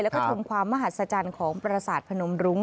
แล้วก็ชมความมหัศจรรย์ของประสาทพนมรุ้ง